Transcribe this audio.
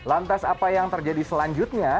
lantas apa yang terjadi selanjutnya